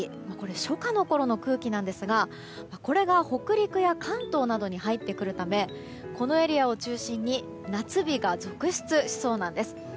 初夏のころの空気なんですがこれが北陸や関東などに入ってくるためこのエリアを中心に夏日が続出しそうなんです。